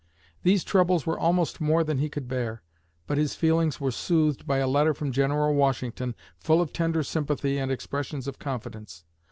These troubles were almost more than he could bear, but his feelings were soothed by a letter from General Washington, full of tender sympathy and expressions of confidence.